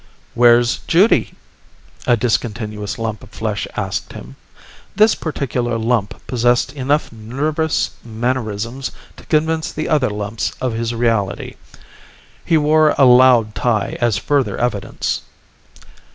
"Where's Judy?" a discontinuous lump of flesh asked him. This particular lump possessed enough nervous mannerisms to convince the other lumps of his reality. He wore a loud tie as further evidence.